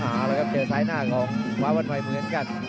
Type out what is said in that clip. อ่าแล้วครับเจอสายหน้าของภาวน์ใหม่เหมือนกัน